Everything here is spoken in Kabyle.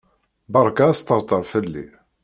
Beṛka asṭerṭer fell-i.